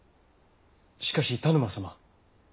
しかし田沼様。